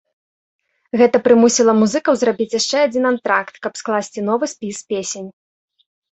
Гэта прымусіла музыкаў зрабіць яшчэ адзін антракт, каб скласці новы спіс песень.